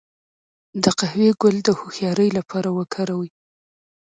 د قهوې ګل د هوښیارۍ لپاره وکاروئ